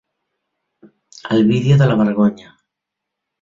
El vídeo de la vergonya.